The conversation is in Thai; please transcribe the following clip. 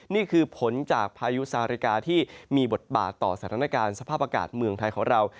นี่คือผลจากพายุซาริกาที่มีบทบาทต่อสถานการณ์สภาพอากาศเมืองไทยของเรา